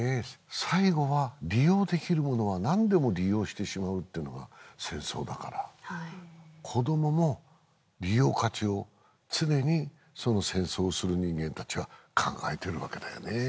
最後は利用できるものは何でも利用してしまうってのが戦争だからはい子どもも利用価値を常にその戦争する人間たちは考えてるわけだよね